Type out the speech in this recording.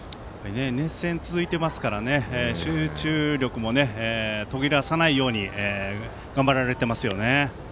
熱戦が続いてますから集中力も途切らさないように頑張られていますよね。